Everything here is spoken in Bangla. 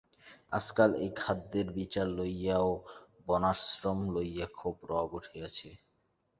আজকাল এই খাদ্যের বিচার লইয়া ও বর্ণাশ্রম লইয়া খুব রব উঠিয়াছে।